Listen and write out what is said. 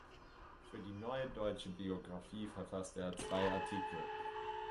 Für die Neue Deutsche Biographie verfasste er zwei Artikel.